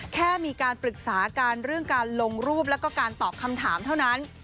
แค่มีการปรึกษากันเรื่องการลงรูปแล้วก็การตอบคำถามเท่านั้น